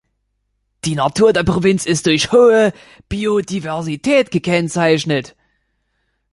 Die Natur der Provinz ist durch hohe Biodiversität gekennzeichnet.